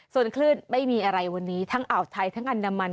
ส่วนคลื่นไม่มีอะไรวันนี้ทั้งอ่าวไทยทั้งอันดามัน